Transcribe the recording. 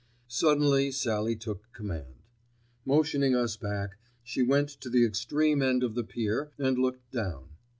Suddenly Sallie took command. Motioning us back, she went to the extreme end of the pier and looked down.